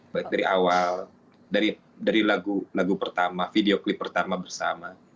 baik dari awal dari lagu pertama video klip pertama bersama